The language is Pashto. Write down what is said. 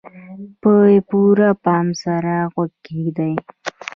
په پوره پام سره غوږ کېږدئ.